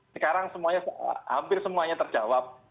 sekarang semuanya hampir semuanya terjawab